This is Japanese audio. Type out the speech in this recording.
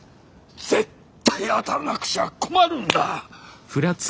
絶対当たんなくちゃ困るんだ！